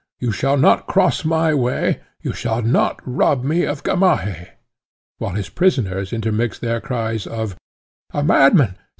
you shall not cross my way, you shall not rob me of Gamaheh!" while his prisoners intermixed their cries of, "A madman!